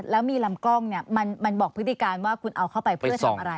แล้วมีลำกล้องเนี่ยมันบอกพฤติการว่าคุณเอาเข้าไปเพื่อทำอะไร